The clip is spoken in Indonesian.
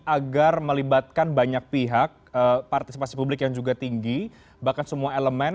agar melibatkan banyak pihak partisipasi publik yang juga tinggi bahkan semua elemen